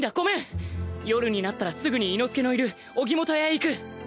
夜になったらすぐに伊之助のいる荻本屋へ行く。